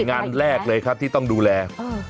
งานแรกเลยครับที่ต้องดูแล